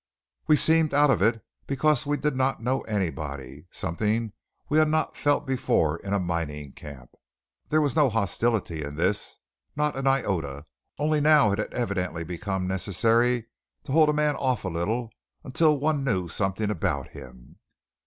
We seemed out of it because we did not know anybody, something we had not felt before in a mining camp. There was no hostility in this, not an iota; only now it had evidently become necessary to hold a man off a little until one knew something about him.